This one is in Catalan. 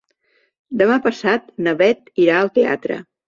Demà passat na Bet irà al teatre.